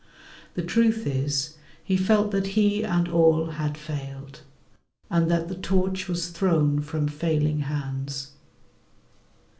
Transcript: The truth is: he felt that he and all had failed, and that the torch was thrown from failing hands.